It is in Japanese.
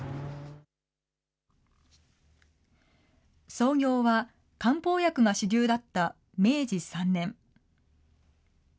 創業は漢方薬が主流だった明治３年。